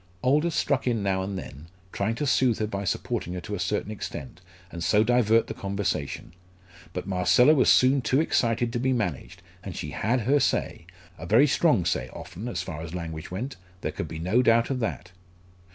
Aldous struck in now and then, trying to soothe her by supporting her to a certain extent, and so divert the conversation. But Marcella was soon too excited to be managed; and she had her say; a very strong say often as far as language went: there could be no doubt of that.